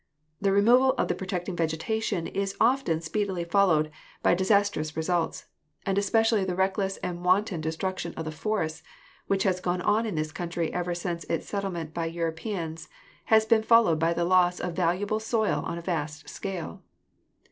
The removal of the protecting vegetation is often speedily followed by dis DESTRUCTIVE AGENCIES 133 astrous results, and especially the reckless and wanton de struction of the forests, which has gone on in this country ever since its settlement by Europeans, has been followed by the loss of valuable soil on a vast scale.